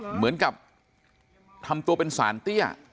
เหมือนกับทำตัวเป็นสารเตี้ย